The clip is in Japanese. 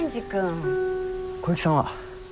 小雪さんは？